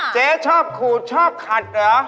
เจ๊ชอบขูดชอบขัดเหรอ